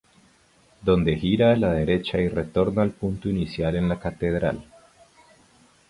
Dónde gira a la derecha y retorna al punto inicial en la Catedral.